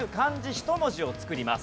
１文字を作ります。